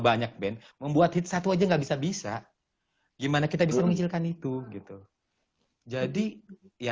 banyak band membuat hit satu aja nggak bisa bisa gimana kita bisa menghilkan itu gitu jadi ya